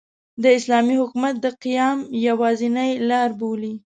د اسلامي حکومت د قیام یوازینۍ لاربولي.